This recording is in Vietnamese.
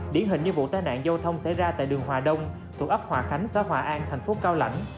điển hình như vụ tai nạn giao thông xảy ra tại đường hòa đông thuộc ấp hòa khánh xã hòa an thành phố cao lãnh